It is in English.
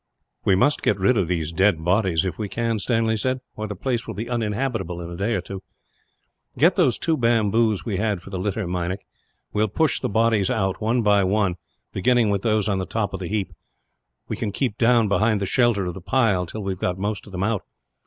"We must get rid of these dead bodies, if we can," Stanley said, "or the place will be uninhabitable, in a day or two. "Get those two bamboos we had for the litter, Meinik. We will push the bodies out, one by one, beginning with those on the top of the heap. We can keep down behind the shelter of the pile, till we have got most of them out.